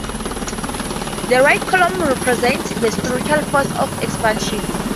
The Right column represents the spiritual force of expansion.